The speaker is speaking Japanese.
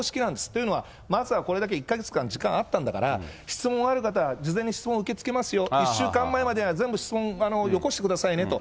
というのは、まずはこれだけ１か月間、時間あったんだから、質問ある方は事前に質問受け付けますよ、１週間前までなら全部質問、寄こしてくださいねと。